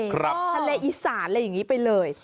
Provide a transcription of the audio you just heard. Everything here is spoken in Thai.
ทะเลอีสานอะไรอย่างนี้ไปเลย